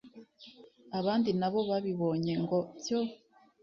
abandi nabo babibonye ngo pyo